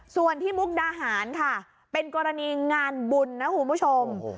ส่วนที่มุกดาหารค่ะเป็นกรณีงานบุญนะคุณผู้ชม